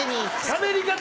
しゃべり方！